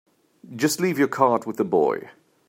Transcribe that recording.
Just leave your card with the boy.